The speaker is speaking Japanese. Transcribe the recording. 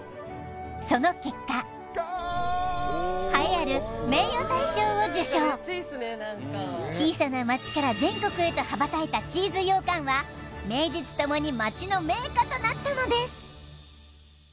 その結果栄えあるを受賞小さな町から全国へと羽ばたいたチーズ羊羹は名実ともに町の銘菓となったのです